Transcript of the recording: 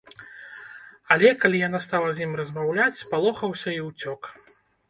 Але, калі яна стала з ім размаўляць, спалохаўся і ўцёк.